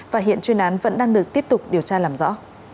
và hiện chuyên án vẫn đang được tiếp tục điều tra làm rõ